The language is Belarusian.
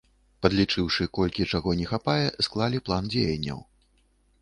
Падлічыўшы, колькі чаго не хапае, склалі план дзеянняў.